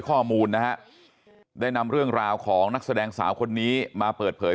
ข้อมูลนะฮะได้นำเรื่องราวของนักแสดงสาวคนนี้มาเปิดเผย